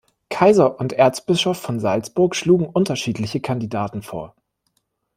Kaiser und Erzbischof von Salzburg schlugen unterschiedliche Kandidaten vor.